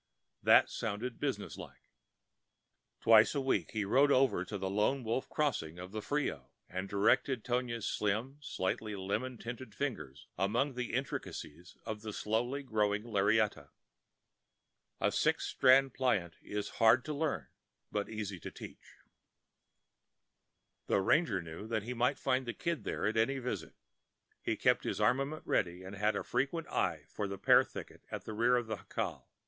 That sounded business like. Twice a week he rode over to the Lone Wolf Crossing of the Frio, and directed Tonia's slim, slightly lemon tinted fingers among the intricacies of the slowly growing lariata. A six strand plait is hard to learn and easy to teach. The ranger knew that he might find the Kid there at any visit. He kept his armament ready, and had a frequent eye for the pear thicket at the rear of the jacal.